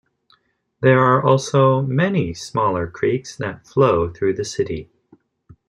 There are also many smaller creeks that flow through the city.